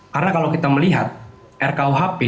karena kalau kita melihat rkuhp